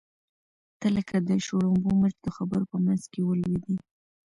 ته لکه د شړومبو مچ د خبرو په منځ کې ولوېدې.